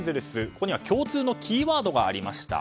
ここには共通のキーワードがありました。